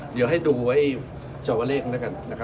เดี๋ยวให้ดูไว้ชาวเลขแล้วกันนะครับ